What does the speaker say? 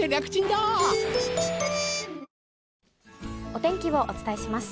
お天気をお伝えします。